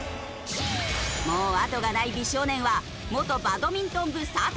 もうあとがない美少年は元バドミントン部佐藤！